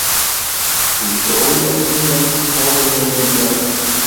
Ttḥulfuɣ iman-iw d ameḥqur gar yemdanen-nni.